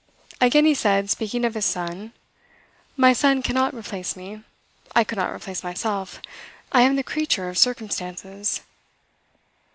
Again he said, speaking of his son, "My son cannot replace me; I could not replace myself. I am the creature of circumstances."